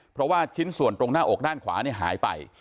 เพราะว่าชิ้นส่วนตรงหน้าอกด้านขวาหายไป